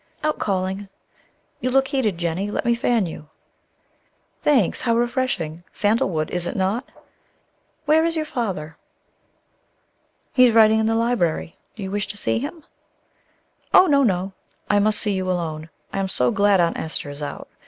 "Out calling. You look heated, Jennie; let me fan you." "Thanks. How refreshing! Sandal wood, is it not? Where is your father?" "He is writing in the library. Do you wish to see him?" "Oh, no, no! I must see you alone. I am so glad Aunt Esther is out.